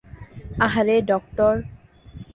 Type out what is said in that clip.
আহারে, ডক্টর!